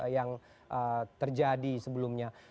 yang terjadi sebelumnya